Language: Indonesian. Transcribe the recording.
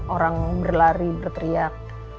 orang berlari berteriak